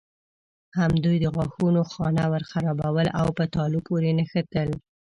همدوی د غاښونو خانه ورخرابول او په تالو پورې نښتل.